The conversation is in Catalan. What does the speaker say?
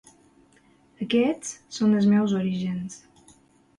Aquests són els meus orígens.